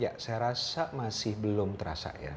ya saya rasa masih belum terasa ya